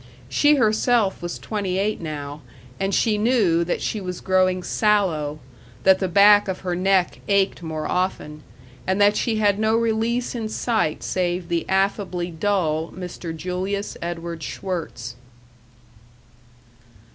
She herself was twenty eight now, and she knew that she was growing sallow, that the back of her neck ached more often, and that she had no release in sight save the affably dull Mr. Julius Edward Schwirtz.